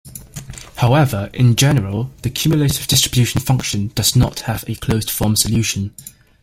However, in general the cumulative distribution function does not have a closed form solution.